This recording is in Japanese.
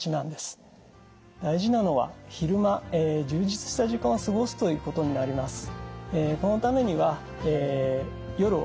大事なのは昼間充実した時間を過ごすということになります。